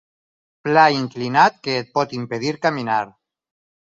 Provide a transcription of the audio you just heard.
Pla inclinat que et pot impedir caminar.